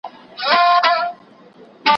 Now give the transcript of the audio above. يوه ويل څه وخورم ، بل ويل په چا ئې وخورم.